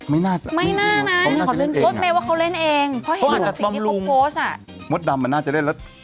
ไม่น่านะเขาเล่นเองอะพอเห็นสักสิ่งที่เขาโพสต์อะมดดำอะน่าจะได้แล้ว